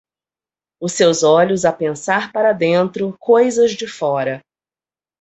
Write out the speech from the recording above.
os seus olhos a pensar para dentro coisas de fora